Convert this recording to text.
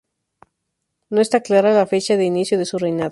No está clara la fecha de inicio de su reinado.